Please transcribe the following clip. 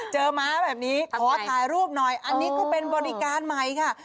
ม้าแบบนี้ขอถ่ายรูปหน่อยอันนี้ก็เป็นบริการใหม่ค่ะ